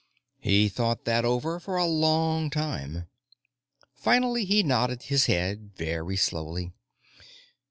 He thought that over for a long time. Finally, he nodded his head very slowly.